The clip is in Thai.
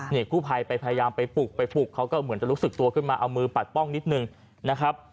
นี่กู้ภัยไปพยายามไปปลุกไปปลุกเขาก็เหมือนจะรู้สึกตัวขึ้นมาเอามือปัดป้องนิดนึงนะครับ